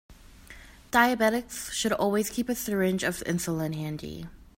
Diabetics should always keep a syringe of insulin handy.